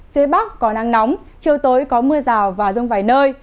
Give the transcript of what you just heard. phía bắc có nắng nóng chiều tối có mưa rào và rông vài nơi